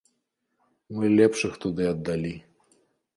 Мы лепшых туды аддалі.